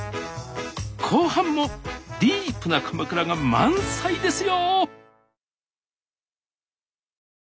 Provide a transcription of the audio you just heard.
後半もディープな鎌倉が満載ですよ！